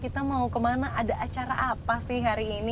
kita mau kemana ada acara apa sih hari ini